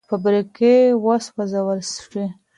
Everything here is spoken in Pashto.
فابریکې وسوځول شوې.